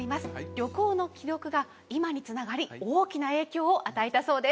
旅行の記録が今につながり大きな影響を与えたそうです